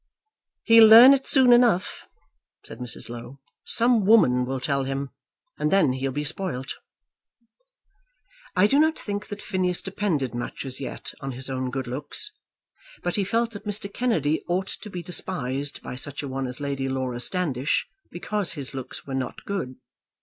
"He'll learn it soon enough," said Mrs. Low. "Some woman will tell him, and then he'll be spoilt." I do not think that Phineas depended much as yet on his own good looks, but he felt that Mr. Kennedy ought to be despised by such a one as Lady Laura Standish, because his looks were not good.